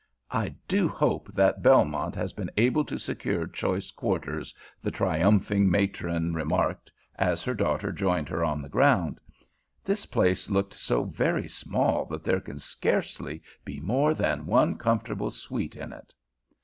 "I do hope that Belmont has been able to secure choice quarters," the triumphing matron remarked as her daughter joined her on the ground. "This place looked so very small that there can scarcely be more than one comfortable suite in it."